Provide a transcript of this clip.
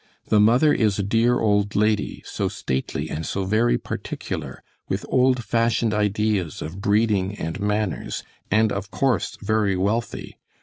The mother is a dear old lady so stately and so very particular with old fashioned ideas of breeding and manners, and of course, very wealthy.